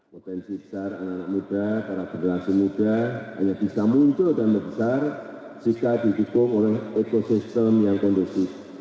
potensi besar anak anak muda para generasi muda hanya bisa muncul dan membesar jika didukung oleh ekosistem yang kondusif